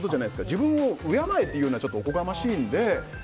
自分を敬えというのはちょっとおこがましいので。